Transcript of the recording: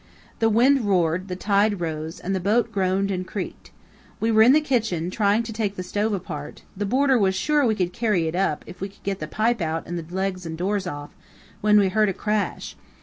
The wind roared, the tide rose, and the boat groaned and creaked. We were in the kitchen, trying to take the stove apart (the boarder was sure we could carry it up, if we could get the pipe out and the legs and doors off), when we heard a crash.